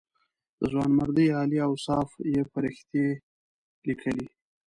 د ځوانمردۍ عالي اوصاف یې فرښتې لیکلې.